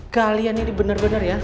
kalian ini benar benar ya